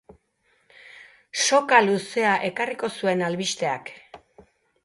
Soka luzea ekarriko zuen albisteak.